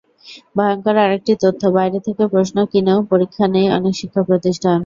ভয়ংকর আরেকটি তথ্য, বাইরে থেকে প্রশ্ন কিনেও পরীক্ষা নেয় অনেক শিক্ষাপ্রতিষ্ঠান।